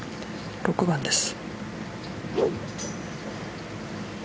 ６番です。